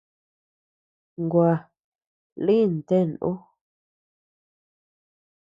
Gua, lïn ten ú.